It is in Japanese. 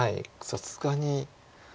さすがに。